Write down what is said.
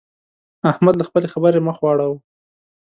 احمد له خپلې خبرې مخ واړاوو.